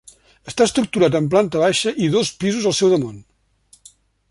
Està estructurat en planta baixa i dos pisos al seu damunt.